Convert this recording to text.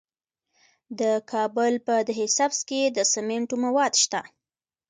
د کابل په ده سبز کې د سمنټو مواد شته.